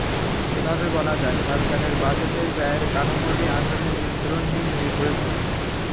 এভাবে বলা যায়, সরকারের বাজেটের ব্যয়ের কাঠামোটি আসলে নিয়ন্ত্রণহীন হয়ে পড়ছে।